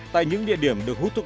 tại những địa điểm được hút thuốc